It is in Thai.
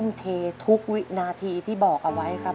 ทุ่มเททุกวินาทีที่บอกเอาไว้ครับ